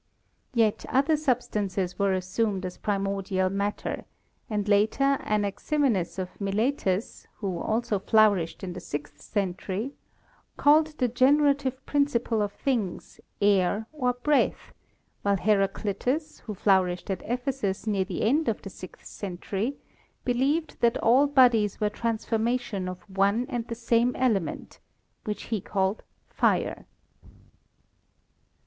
Yet other substances were assumed as primordial matter, and later Anaximines of Miletus, who also flourished in the sixth century, called the generative principle of things air or breath, while Heraclitus, who flourished at Ephesus near the end of the sixth century, believed that all bodies were transformations of one and the same element, which he called fire.